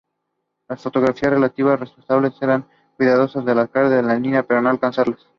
La fotografías relativamente "respetables" eran cuidadosas de acercarse a esa línea, pero no alcanzarla.